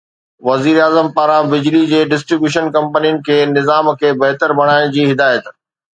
وزيراعظم پاران بجلي جي ڊسٽري بيوشن ڪمپنين کي نظام کي بهتر بڻائڻ جي هدايت